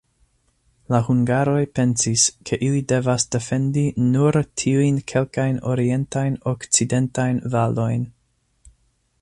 La hungaroj pensis, ke ili devas defendi nur tiujn kelkajn orientajn-okcidentajn valojn.